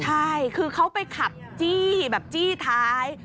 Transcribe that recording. ใช่คือเขาไปขับจี้แบบจี้ท้าย